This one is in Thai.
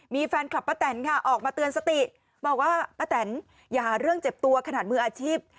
มีแฟนคลับป้าแตนค่ะออกมาเตือนสติบอกว่าป้าแตนอย่าหาเรื่องเจ็บตัวขนาดมืออาชีพ